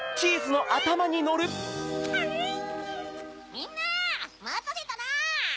みんなまたせたな！